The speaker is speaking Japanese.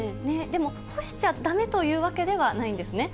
でも、干しちゃだめというわけではないんですね。